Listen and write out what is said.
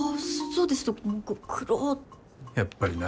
やっぱりな。